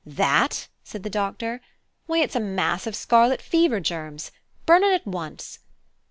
"That?" said the doctor. "Why, it's a mass of scarlet fever germs! Burn it at once.